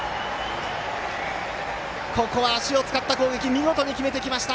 ここは足を使った攻撃見事に決めてきました。